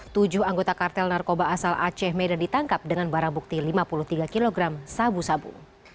tujuh anggota kartel narkoba asal aceh medan ditangkap dengan barang bukti lima puluh tiga kg sabu sabu